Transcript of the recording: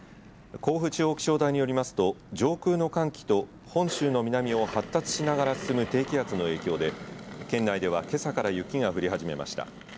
甲府地方気象台によりますと上空の寒気と本州の南を発達しながら進む低気圧の影響で、県内ではけさから雪が降り始めました。